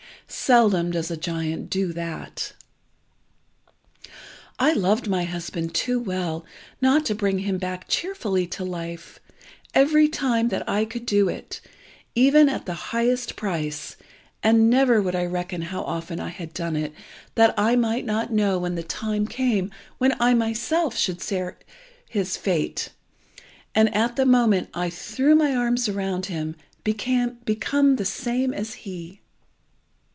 Seldom does a giant do that. I loved my husband too well not to bring him back cheerfully to life, every time that I could do it, even at the highest price, and never would I reckon how often I had done it that I might not know when the time came when I myself should share his fate, and, at the moment I threw my arms around him, become the same as he.